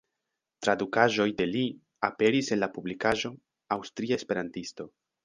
Tradukaĵoj de li aperis en la publikaĵo "Aŭstria Esperantisto".